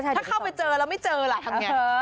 ถ้าเข้าไปเจอแล้วไม่เจอล่ะทำไง